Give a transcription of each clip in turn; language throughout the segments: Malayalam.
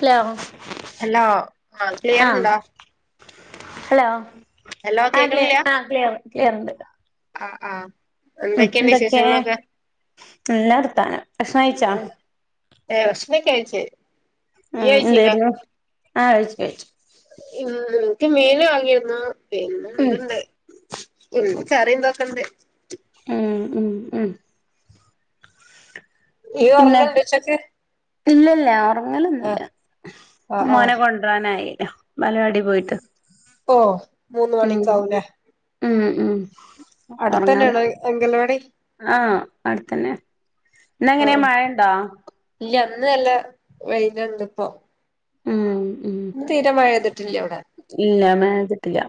ഹലോ ഹലോ ആ ക്ലിയരുണ്ടോ. ഹലോ. ആ ക്ലിയർ ആവ ക്ലിയർ. എന്ത് ആഹ് ആഹ് ഉം എന്തൊക്കെ നല്ല വർത്താനം ഭ ക്ഷണം കഴിച്ചോ? ഏഹ് ഭക്ഷണോക്കെ കഴിച്ചു. ഉം എന്താരുന്നു ആഹ് കഴിച്ചു കഴിച്ചു. ഉ മേലെ വങ്ങിരുന്ന പിന്നെ ഉം എതുണ്ട് എ കറിയന്തോക്കണ്ടേ ആഹ ഉ ഉ ഉറങ്ങഉണ്ട് ഉച്ചക്ക് ഇല്ലല്ലേ ആ അങ്ങനെന്നുമില്ല ആ ആ മോനെ കൊണ്ടു വരാനായി - [unintelligible] ബാലവാടി പോയിട്ട് ഓ മൂന്ന് മണിക്കെ ആവുലേ മ് മ് ഒറങ്ങാൻ അംഗൽവാടി ആ അടുത്തന്നെ ഇന്ന് എങ്ങനെ മഴ ഇണ്ടോ? അന്നല്ല [unintelligible] ഇപ്പോ. മ് ഇന്ന് തീരെ മഴ പെയ്യ്തിട് ഇല്ല മഴേതിട്ടില്ല്യ.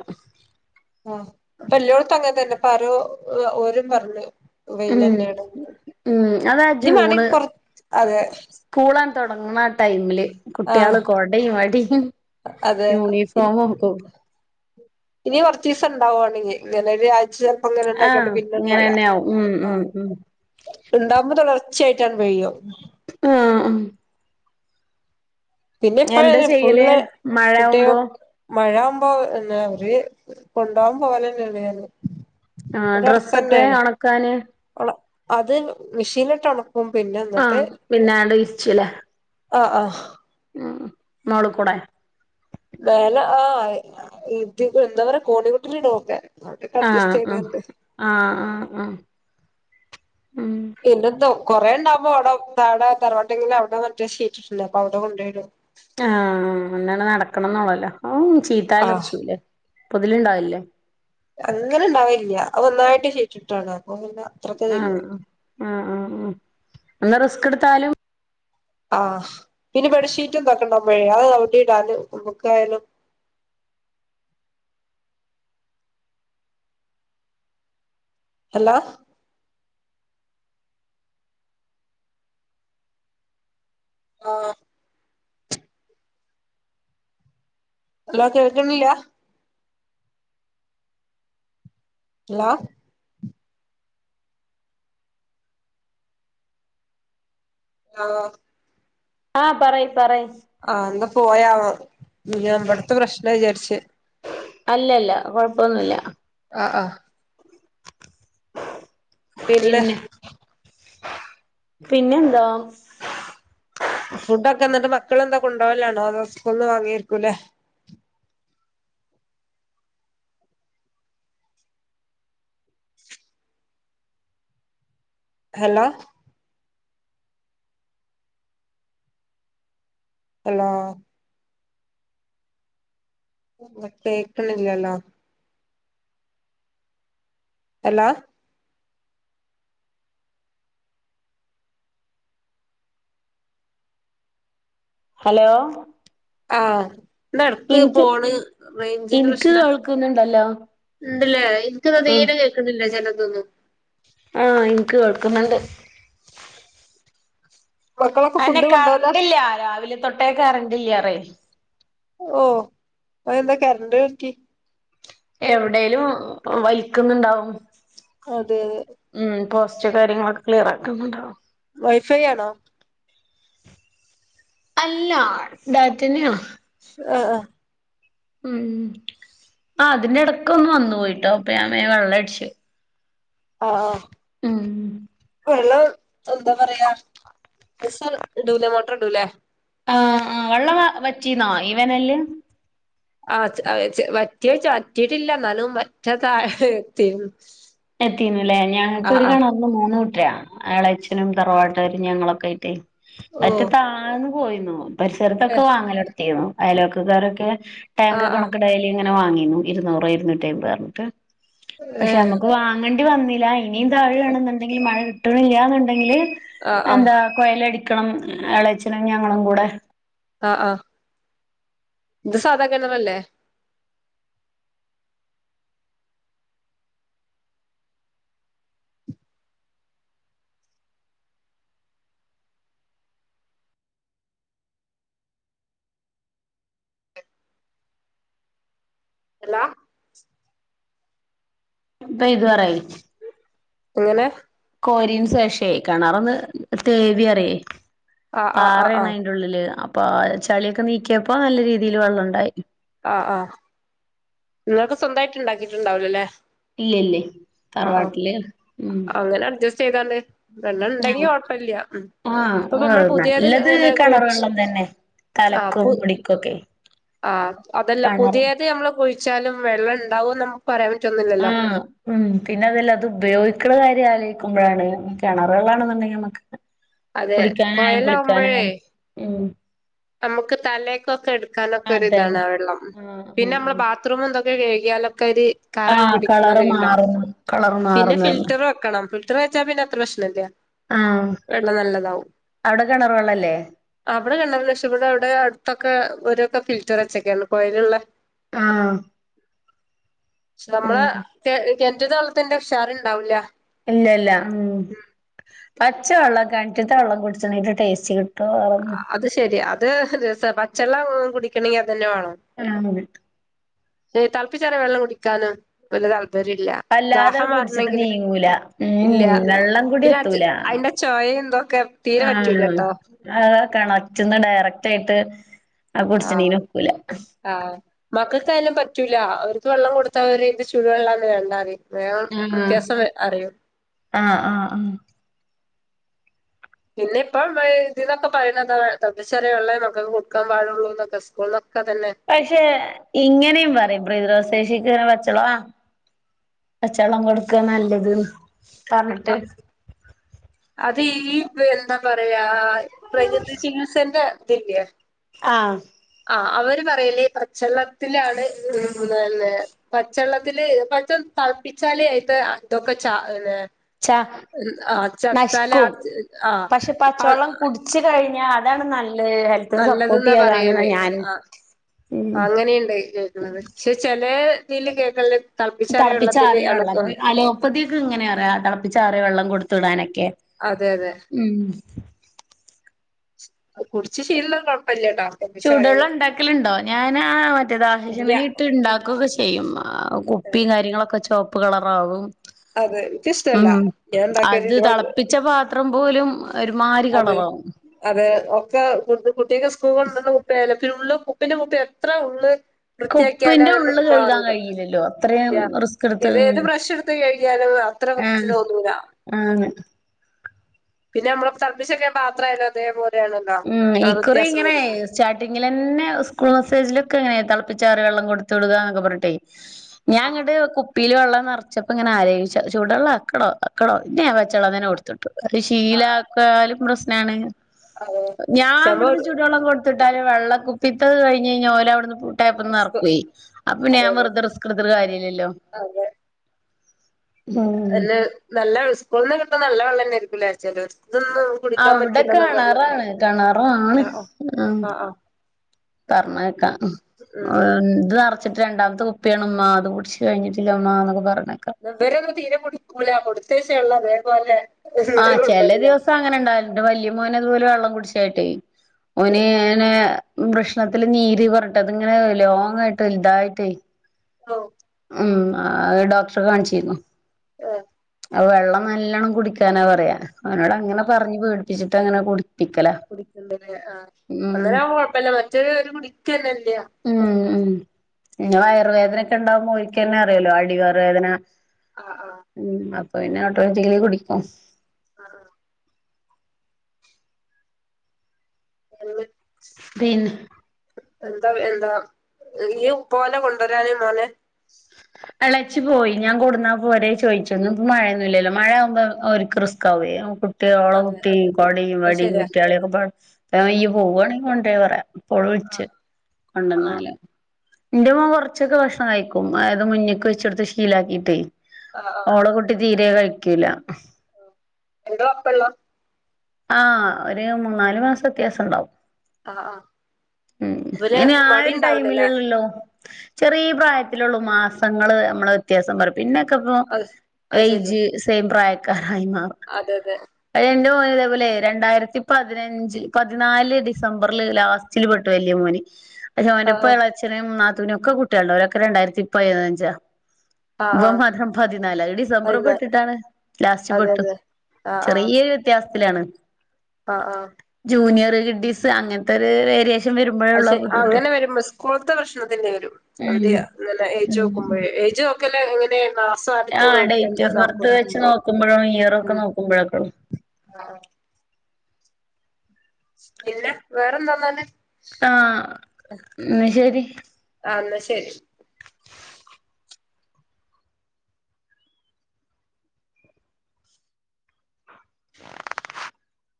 ആ ഇപ്പല്ലോട്ത്തും അങ്ങനെ തന്നെ ഇപ്പ ആരോ ഓരും പറഞു. ഉം ഉം അതാ ഇനി ജൂണ് വേണെങ്കി കൊറ അതെ സ്കൂള തൊടങ്ങ്ണ ആ ടൈമില് ആഹ് കുട്ടിയാള് കൊടയും വടിയും അതെ യൂണിഫോമും കു ഇനി കൊറച്ചീസംണ്ടാവോണ്ട് ഇഞ്ഞ് [unintelligible] ചെലപ്പ ളങ്ങനെ ഇണ്ടായ്ക്കാണ്ട് ആഹ് പിന്നെ മഴ ഇങ്ങനെന്നെ ആവും ഉം ഉം ആഹ് ഉം ഇണ്ടാവുമ്പോ തൊടർ ഉച്ചയിഞ്ഞാണ്ട് ചെയ്യും. ആഹ് ആഹ് പിന്നെ ഇപ്പഴല്ലേ ചെയ്യല് ഫുള്ള് കുട്ടിക മഴയാവുമ്പോ മഴ ഓ പിന്നെ അവര് കൊണ്ടുപോവാൻ പോവലന്നെ ഉള്ളൂ ഞാന് ആഹ് ഡ്രസ്സൊക്കെ ഒണക്കാന് ള്ള അത് മെഷീനിട്ടൊണക്ക് ആഹ് പിന്നെ ആടെ വിരിച്ചുല്ലേ ആഹ് ആഹ് ഉം മോളിക്കൂടെ മേലെ ആഹ് ഇത് ഇതെന്താ പറയാ [unintelligible] ആഹ് അഡ്ജസ്റ്റ് അഹ് ചെയ്താണ്ട് ആഹ് ആഹ് ആഹ് ഉം ഇന്നെന്തോ കൊറേ ഇണ്ടാവുമ്പോ അവടെ താഴെ തറവാട്ടെങ്കില് അവടെ മറ്റേ ശീറ്റിട്ട്ണ്ട് അപ്പൊ അവടെ കൊണ്ടയിടും. ആഹ് അന്നന്നെ നടക്കണന്നൊള്ളല്ലോ [unintelligible] ആഹ് ചീത്താലർച്ചൂലെ പൊതില്ണ്ടാവില്ലേ അങ്ങനെ ഇണ്ടാവില്ല്യ അഒന്നായിട്ട് ശീറ്റ്ട്ടാണ് ആഹ് ആഹ് ആഹ് ആഹ് ഒന്ന് റിസ്ക് ട്ത്താലും ആഹ് പിന്നെ ബെഡ്ഷീറ്റ് തൊക്കണ്ടാകുമ്പഴേ അഅ് എവ്ടീടാല് നമക്കായാലും ഹലോ ആഹ് ഹല്ലോ കേൾക്കണില്ല ഇല്ലാ ആഹ് ആഹ് പറയ് പറയ് ആഹ് എന്ത പോയാ [unintelligible] [unintelligible] പ്രശ്ന- ശ് അല്ലല്ല- കൊഴപ്പൊന്നുല്ല ആഹ് ആഹ് പിന്നെ പിന്നെന്താ ഫുഡക്കെ എന്നിട്ട് വെ ക്ള് എന്താ കൊണ്ടപോകലാണോ അതൊസ്കൂളിന് വാങ്ങിയിരിക്കൂല്ലേ ഹലോ ഹലോ കേക്കണില്ലല്ലോ എല്ലാ ഹലോ ആഹ നടടക്ക് ഇൻക്ക് പോണ് റഞ്ചിന്റെ ഇൻക്ക് പ്രശ്ന കേൾക്കുന്നുണ്ടല്ലോ ഉണ്ടല്ലേ എനക്ക് തേരെ കേക്കുന്നില്ല ച ഉ ആഹ എനിക്ക് കേൾക്കുന്നുണ്ട് മക്കളൊക്കെ അന്നെ ഫുഡ് കൊണ്ടോവലാ കറണ്ട്ല്ല രാവിലെ തൊട്ടേ കറണ്ട്ല്ലറേ ഓ അ എന്താ കരണ്ട്ക്കി എവിടെേലും വലിക്കുന്നുണ്ടാവും അതെ കയങ്ങളക്കെ ക്ലിയറക്കുന്നുണ്ടാവും വൈഫൈ ആണോ അല്ല ഡാറ്റന്നെയണ ആ ആ ഉം ആ അതിന്റെടക്ക് ഒന്ന് വന്നു പോയിട്ടോ അപ്പഞാൻ പോയി വെള്ളം അടിച്ചു ആ ആ വെള്ളം എന്താ പറയാ ദിവസം ഇടൂലെ മോട്ടർ ഇടൂലെ ആ ആ വെള്ളം വറ്റീനാ വേനലിൽ ആ വറ്റിയിട്ടില്ല എന്നാലും വറ്റാ താഴത്തി എത്തിന്നല്ലേ ഞങ്ങക്ക് ഒരു കിണർനു മൂന്നു [unintelligible] അളെച്ഛനും തറവാട്ട്കാരും ഞങ്ങളൊക്കെ ആയിട്ടേ [unintelligible] ഓഹ് താണ് പോയിന്നോ? പരിസരത്തൊക്കെ ഏഹ് വാങ്ങല് [unintelligible] അയലോക്കക്കാരൊക്കെ ടാങ്ക് ആഹ് ആഹ് കണക്ക് ഡയ്ലി. അങ്ങനെ വാങ്ങിന്നു ഇരുന്നൂറ് ഇരുന്നൂറ്റയ്മ്പ അർഞ്ഞ്ട്ട്. ആഹ്. വാങ്ങണ്ടി വന്നിലാ. ഇനീം താഴാണെന്ന്ണ്ടെങ്കില് മഴ കിട്ട കിട്ട്ണില്ലാന്ന്ണ്ടെങ്കില്. ആഹ് ആഹ് അന്ത കൊയൽ അടി ണം എളേച്ചിനും ഞങ്ങളും കൂടെ ആഹ് കിണറല്ലെ എന്ത് സാധാ കിണറല്ലെ? ഹാലോ ഇപ്പം ഇതുപറായി. എങ്ങനെ? കോരിന് ശേഷ കെണാറന്ന് തേവി തേവിയാല ആഹ് ആഹ് ആഹ് പാറയണ ആഹ് അയിന്റെ ഉള്ളില് അപ്പ ചളിയൊക്കെ നീക്കിയപ്പോ നല്ല രീതിയിൽ വെള്ളം ഉണ്ടായി ആഹ ആഹ നിങ്ങൾക്ക് സ്വന്തമായിട്ട് ഉണ്ടാക്കിട്ടുണ്ടാവലോ അല്ലേ ഇല്ല ഇല്ലേ തറവാട്ടില് ഉം ചെയ്താല് വെണ്ണ ഉണ്ടെങ്കി ആ കൊഴപ്പില്ല ഉ ആഹ് ഇപ്പൊ ഏ നമ്മൾ പുതിയത് നല്ലത് അങ്ങനെ കിണർ കുഴച്ച് വെള്ളം തന്നെ ആ തലക്കും മുടിക്കൊക്കെ ആ അതല്ല കിണറ് പുതിയത് നമ്മള് കുഴ വച്ചാലും വെള്ളം ഉണ്ടാവും നമുക്ക് പറയാൻ ആ പറ്റൊന്നില്ലല്ലോ ഉം പിന്നെ അതല്ല അത് ഉപയോഗിക്കുന്ന കാര്യല്ലേ നക്ക്പോഴാണ് കണറ് വെള്ളാണെന്നുണ്ടെങ്കിൽ നമുക്ക് [unintelligible] അതെ കുളിക്കാനായാലും കൊയലാവുമ്പഴേ കുളിക്കാനായാലും ഉ നമുക്ക് തലേക്കൊക്കെ എടുക്കാനൊക്കെ ഒ ഇതാണ് അതന്നെ ആ വെള്ളം ആഹ് പിന്നെ നമ്മള് ആഹ് ബാത്റൂം എന്തൊക്കെ ഇ അല്ല ആഹ് കളറ് മാറുന്നു കളറ് പിന്നെ മാറുന്നു ഫ പറഞ്ഞ് വെ വെന്ന ആഹ് ന അവിടെ കിണർ വെള്ളല്ലേ ഇവിടെ ഇവിടെ അടുത്തൊക്കെ ഒരുഓരൊക്കെ ഫിൽറ്റർ വെച്ചൊക്കെയാണ് കോയിലുള്ള ആഹ നമ്മള എ എന്റെ താള്ളത്തിന്റെ ഉക്ഷാറണ്ടാവില്ല പിന്നല്ല. ആം പച്ച വെള്ളം കെണറ്റിൽത്ത വെള്ളം കുടിച്ചാ ടേസ്റ്റ് കിട്ടും [unintelligible] [unintelligible] പച്ചെല്ലാം കുടിക്കണ [unintelligible] ഏയ് തെളപ്പിച്ചാറിയാ വെള്ളം കുടിക്കാന് വല്ലൃ താൽ രില്ല അല്ലാതെ ദാഹം കുടിച്ചിട്ട് മാറണെങ്കില് നീങ്ങൂല ഉം ഇല്ല വെള്ളം കൂടി പിന്നെ എത്തൂല അതിന്റെ ചൊവ എന്തൊക്കെ തീരെ പറ്റൂലട്ടോ കെണറ്റിന്ന് ഡയറക്റ്റ് ആയിട്ട് അത് ആഹ് കുടിച്ച്ണീന് ഒക്കൂല ആഹ് മക്കൾക്കായല്ലാം പറ്റ് പറ്റുലാ അവർക്ക് വള്ളം കൊടുത്താ അവര് ചൂട് വെള്ളാന്ന് വേണ്ടാന്ന് വേഗം ആഹ് വ്യത്യാസം അറിയോ ആഹ് ആഹ് ആഹ് പിന്നെ ഇപ്പം ഇതിന്നൊക്കെ പറയുന്ന തൾപ്പിച്ചാറിയ വെള്ളെ മക്കൾക്ക് കൊടുക്കാൻ പാടുള്ളൂ എന്നൊക്കെ സ്കൂൾക്കെ പക്ഷെ ഇങ്ങനെയും പറയും [unintelligible] പച്ചള പച്ചളം കൊടുക്ക നല്ലത് പറഞ്ഞിട്ട് അത് ഈത് ന്താ പറയാ പ്രകൃതി ചികിത്സന്റെ ഇല്ല്യ ആഹ് ആ അവര് പറയല്ലേ പച്ചെള്ളത്തിലാണ് പച്ചെള്ളത്തില്ൽ പച്ച തൾപ്പിച്ചാലേ അയിത്തെ ഇതൊക്കെ ച ച ആ ചത്താല നശിക്കും ആഹ് പക്ഷെ ആഹ പച്ചവെള്ളം കുടിച്ച് കഴിഞ്ഞാ അതാണ് നല്ല- നല്ലത് യെന്നാ പറയല് ആ ഉം അങ്ങനെയുണ്ട് കേക്കണത് പക്ഷെ ചെല- നീല കേക്കല്ല [unintelligible] തെളപ്പിച്ചാറിയ വെള്ളം അലോപ്പതിക്കെ ഇങ്ങനെ പറയ്ക തെളപ്പിച്ചാറിയ വെള്ളം കൊടുത്ത വിടാനൊക്കെ അതെ അതെ ഉം കുടിച്ച് ശീല്ലയുള്ളവര് കാണും ചൂട് വെള്ളം ഉണ്ടാക്കലുണ്ടോ ഞാൻ ആ മറ്റേ ഇല്ല്യ ദാഹശമിനി ഇട്ട് ഉണ്ടാക്കുകൊക്കെ ചെയ്യും കുപ്പിയും കാര്യങ്ങളൊക്കെ ചോ- ഉപ്പ് കളറാവും അതെ ഇനിക്ക ഇഷ്ടല്ല ഉം ഞാൻ ഉണ്ടാക്ക അത് തിളപ്പിച്ച [unintelligible] പാത്രം പോലും ഒരുമാതിരി അതെ കളറാവും അതെ ഒക്കെ കു കുട്ടിയക്കെ സ് സഖ ഉപ്പ പിന്നെ ഉള്ള ഉപ്പിന്റെ മുപ്പ എത്ര ഉള്ളള് ക്ക് വൃത്തിയാക്കിയാലും ഉപ്പിന്റെ ഉള്ള് അ കഴുകാൻ മാറൂല്ല കഴിയില്ലല്ലോ അത്രയും റിസ്ക് എടുത്ത് ഏത് ഏത് ഉം പബ്രഷ് എടുത്ത കഴിഞ്ഞാലും അത്ര വൃത്തി ആഹ് തോന്നൂല ആണ് പിന്നെ നമ്മള തർപ്പിച്ചൊക്കെ മാത്രല്ലോ അതേപോലെ ഉം ഈക്കറി ഇങ്ങനെ സ്റ്റാർട്ടിങ്ങിൽ തന്നെ സ്കൂൾ മെസ്സേജില് ഒക്കെങ്ങനെ തിളപ്പിച്ചറിയ വെള്ളം കൊടുത്തുടുവിട്ക എന്നൊക്കെ പറഞ്ഞട്ടെ ആ ഞാൻങ്ങടെ പപ്പീൽ വെള്ളം നിറച്ചപ്പോൾ ഇങ്ങന ആോചിച്ച ചൂടുെള്ളം അക്കടോ അക്കടോ ഇന്നെ വച്ചെള്ളം തനെ കൊടുത്തിട്ടു അത് ആ ശീലക്കാലും പ്ര ാണ് ആ അതെ ഞാൻ ക്ഷമ ഇവിടുന്ന് ചുടുവെള്ളം കൊടുത്ത് വെള്ളം കുപ്പിത്തല് കഴിഞ്ഞ് കഴിഞ്ഞാ ഓല അവിടുന്ന് നിറക്കുവേ അപ്പറന്നെ അതെ ഞാൻ അതെ വെറുതെ റിസ്ക് എടുത്തിരുന്ന് കാര്യല്ലല്ലോ ഉം എന്നെ നല്ല സ്കുളിന്ന് കിട്ടന്നത് നല്ല വള്ളം തന്നായിരികും നിറച്ചത് അവിടെ കിണാറാണ് കിണാറ ആണ് ആഹ് ആഹ് ആഹ് ആഹ് പറഞ്ഞക്കാം ഉം എ വച്ചിട്ട രണ്ടാമത്തെ കുപ്പയാണ് ഉമ്മ അത് കുടിച്ച് കഴിഞ്ഞിട്ടില്ല ഉമ്മ എന്നൊക്കെ പറഞ്ഞു ഇവറൊന്നും തീരെ കുടിക്കൂല കൊടുത്തയച്ച വെള്ളം [unintelligible] ആഹ് ചില കൊണ്ടരലാണ് ദിവസം അങ്ങനെ ഉണ്ടാകില്ലണ്ട് വല്യ മോനതുപോലെ വെള്ളം കുടിച്ചായിട്ടേ ഓന് അയിന് വൃഷ്ണത്തില് നീര് പറഞ്ഞിട് അതിങ്ങനെ ലോങ്ങ ആയിട്ട് വലുതായിട്ട ഓ ഉം ഡോക്ടറെ കാണിച്ചിരുന്നു ആ അത് വെള്ളം നല്ലോണം കുടിക്കാനാ പറയാ ഞങ്ങള് അങ്ങനെ പറഞ് പേടിപ്പിച്ചു ഇ അങ്ങനെ കൊ കുടിക്കേ ആഹ അന്നേര കൊഴപ്പല്ല മറ്റേ ഒരു കുടിക്കന്നെല്ല ഇങ്ങ വയറ വേദനൊക്കെ ഉണ്ടാവും ന്നെ അറിയല്ലോ അടിവേതന ആഹ് ആഹ് ഉം അത പിന്നെ ഓട്ടോവാറ്റിക്കലി കുടിക്കും ആഹ ആഹ [unintelligible] സ്പെന് എന്താ എന്താ ഈ പോലെ കൊണ്ടുവരാന മോനെ അളച്ചു പോയി ഞാൻ കൊടുന്നാ പോരെ ചോദിച്ചോന്ന ഇ മഴയൊന്നുമല്ലല്ലോ മഴയാവുമ്പോ അവും റിസ്ക് ആവേ ഒള അതെ കുുട്ടി കോട അത് വടി ശെരിയാ കുട്ടയാളിയ ഒക്കെപക്സ അപ്പ യ പോവാണെങ്കിൽ കൊണ്ട പറയാ പൊഴിച്ച് ആഹ് കൊണ്ടന്നാല് ഇന്റെമ്മ കുറച്ചൊക്കെ ഭക്ഷണം കഴിക്കും ഉമാത് മുന്നേക്ക് വെച്ചടുത്ത് ശീലാക്കിയിട്ടേ ആഹ് ഓള കുട്ടി തീരെ കഴി വക്കില്ല എന്റെ കൊഴപ്പള്ള ആഹ് ഒരു മൂന്നാലു മാസം വ്യത്യാസം ഉണ്ടാവും ആഹ് ആഹ് ഉം ഇവന് ഇനി ആ മടി ഒരു ഇണ്ടാവൂലല്ലേ ടൈമിലള്ളല്ലോ ചെറിയ പ്രായ ത്തിലുള്ളൂ മാസങ്ങളൾ നമ്മള് വ്യത്യാസം പറയും പിന്നെ ഇപ്പോ അത് സ് അത് ശരിയാ എയ്ജ് സേയ്മ് പ്രായം ഹമാറ അതെ അതെ [unintelligible] ഇതേപോലെ രണ്ടായിരത്തി പതിനഞ്ച് പതിനാല് ഡിസംബറില് ലാസ്റ്റില് പെട്ടു വല്യ മോന് ഓൻ്റൊപ്പം ആഹ് എളയച്ഛന്നും ഉമ്മാ നാത്തൂനൊക്കെ കുട്ടികളുണ്ട് ഓൻ രണ്ടായിരത്തി പതിനഞ്ചാ- ആഹ് ഇവൻ ആഹ് മാത്രം പതിനാല് അത് ഡിസംബറിൽ വൈകുന്നേരം പെട്ടിട്ടാണ് ലാസ്റ്റ് അതെ പെട്ടു. അതെ ആഹ് ആഹ് ചെറിയ ഒരു വ്യത്യാസം പത്തിലാണ് ആഹ് ആഹ് ജൂനിയർ ഡിസ് അങ്ങനത്തൊരു റേഡിയേ പക്ഷെ അങ്ങനെ വരുമ്പോ സ്കൂളത്തെ ഭക്ഷണത്തിന്നേ വരും ഉം അവര്- ഇല്ല ഏജ് നോക്കുമ്പോഴേ നമ്മക്കെല്ലാ എങ്ങനേ ആ ഡേറ്റോ ബർത്ത് വെച്ച് നോക്കുമ്പോഴ ഇയറൊക്കെ ഉം നോക്കുമ്പോഴൊക്കള്ളും ആ പിന്നെ വേറെന്താന്നാന് ആ ഉ ശരി [unintelligible] [inaudible]